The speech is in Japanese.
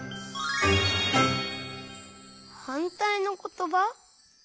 はんたいのことば？